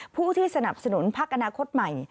ผู้ที่สนับสนุนพักอนาคตใหม่